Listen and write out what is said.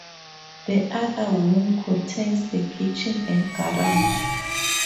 The other wing contains the kitchen and garage.